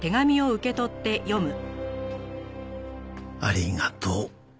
「ありがとう。